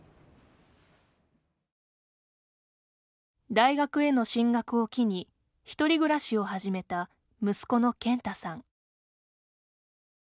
大学への進学を機に１人暮らしを始めた息子の健太さん。